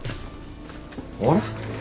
あれ？